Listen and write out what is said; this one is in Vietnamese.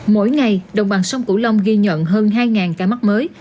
mỗi ngày đồng bằng sông cửu long ghi nhận hơn hai ca mắc mới